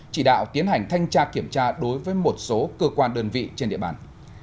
chỉ đạo tiến hành thanh tra kiểm tra đối với một số cơ quan đơn vị trên địa bàn